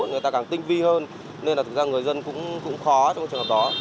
người ta càng tinh vi hơn nên là thực ra người dân cũng khó trong trường hợp đó